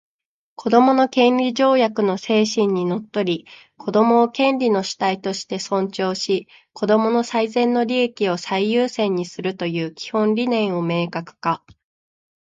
「子どもの権利条約」の精神にのっとり、子供を権利の主体として尊重し、子供の最善の利益を最優先にするという基本理念を明確化